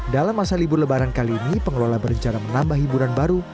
dalam masa libur lebaran kali ini pengelola berencana menambah hiburan baru